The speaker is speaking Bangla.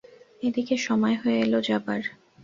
এদিকে সময় হয়ে এল যাবার।